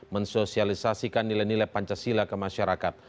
mensosialisasikan nilai nilai pancasila ke masyarakat